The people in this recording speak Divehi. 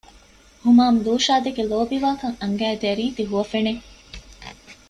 ހުމާމް ލޫޝާދެކެ ލޯބިވާކަން އަންގަދޭ ރީތި ހުވަފެނެއް